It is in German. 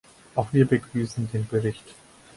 Auch wir begrüßen den Bericht.